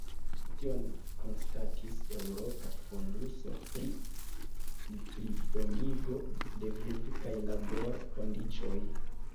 Tion konstatis eŭropa fonduso pri plibonigo de viv- kaj labor-kondiĉoj.